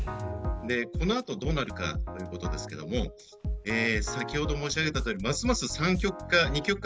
この後どうなるかということですけど先ほど申し上げたとおりますます三極化